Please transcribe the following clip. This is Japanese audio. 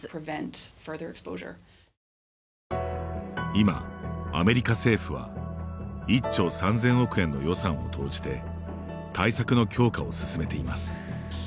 今、アメリカ政府は１兆３０００億円の予算を投じて対策の強化を進めています。